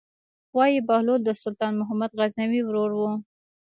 وايي بهلول د سلطان محمود غزنوي ورور و.